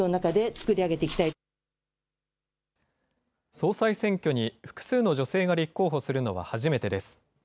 総裁選挙に複数の女性が立候補するのは初めてです。